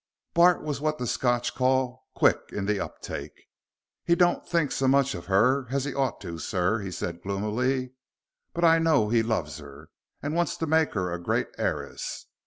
Bart was what the Scotch call "quick in the uptake." "He don't think so much of her as he ought to, sir," said he, gloomily. "But I know he loves her, and wants to make her a great heiress.